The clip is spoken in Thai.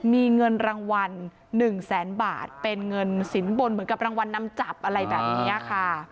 มีเงินรางวัล๑แสนบาทเป็นเงินสินบนเหมือนกับรางวัลนำจับอะไรแบบนี้ค่ะ